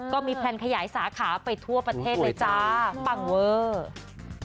แพลนขยายสาขาไปทั่วประเทศเลยจ้าปังเวอร์